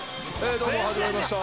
「どうも始まりました」